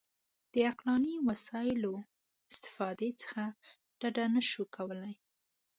د عقلاني وسایلو استفادې څخه ډډه نه شو کولای.